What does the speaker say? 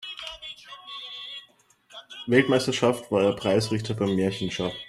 Weltmeisterschaft war er Preisrichter beim Märchenschach.